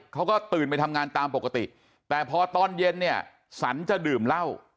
เขาก็ตื่นไปทำงานตามปกติแต่พอตอนเย็นเนี่ยสันจะดื่มเหล้า